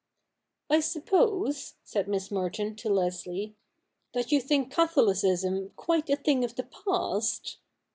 'I suppose,' said Miss Merton to Leslie, 'that you think Catholicism quite a thing of the past